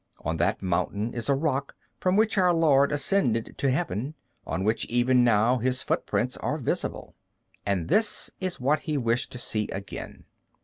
On that mountain is a rock from which Our Lord ascended to heaven, on which even now His footprints are visible. And this is what he wished to see again.